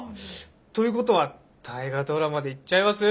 ということは大河ドラマでいっちゃいます？